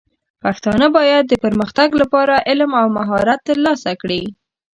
پښتانه بايد د پرمختګ لپاره علم او مهارت ترلاسه کړي.